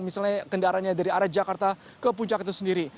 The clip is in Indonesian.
misalnya kendaraannya dari arah jakarta ke puncak itu sendiri